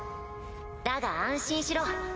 だが安心しろ。